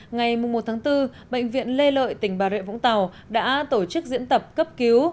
ngày một bốn bệnh viện lê lợi tỉnh bà rịa vũng tàu đã tổ chức diễn tập cấp cứu